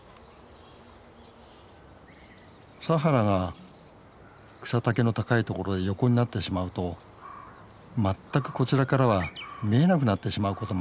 サハラが草丈の高い所へ横になってしまうと全くこちらからは見えなくなってしまうこともあります。